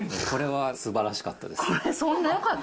これはすばらしかったですよ